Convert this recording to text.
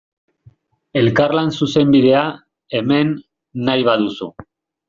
Elkarlan zuzenbidea, hemen, nahi baduzu.